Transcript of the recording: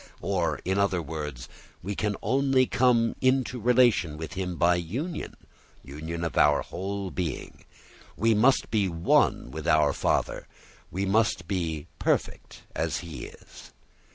Or, in other words, we can only come into relation with him by union union of our whole being. We must be one with our Father, we must be perfect as he is.